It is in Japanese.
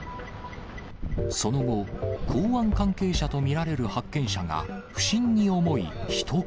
その後、港湾関係者と見られる発見者が不審に思いひと言。